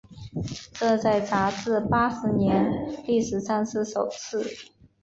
这在杂志八十年历史上是首次。